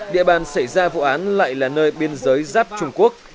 địa bàn xảy ra vụ án lại là nơi biên giới giáp trung quốc